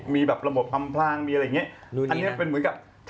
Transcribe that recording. ไม่อันนี้มันปรีตยาว๒๒เมตร